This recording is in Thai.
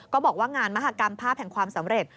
บอกว่างานมหากรรมภาพแห่งความสำเร็จ